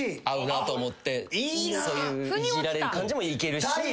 合うなと思っていじられる感じもいけるし。